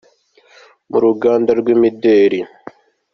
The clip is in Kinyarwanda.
mu ruganda rw’imideli.